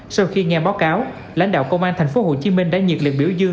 sau khi nghe báo cáo lãnh đạo công an tp hcm đã nhiệt liệt biểu dương